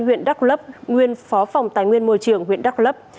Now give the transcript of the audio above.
huyện đắk lấp nguyên phó phòng tài nguyên môi trường huyện đắk lấp